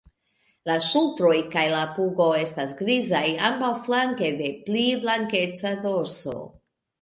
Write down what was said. La ŝultroj kaj la pugo estas grizaj ambaŭflanke de pli blankeca dorso.